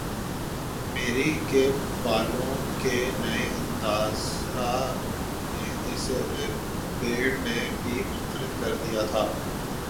میری کے بالوں کے نئے انداز نے اسے بھیڑ میں بھی منفرد کر دیا تھا۔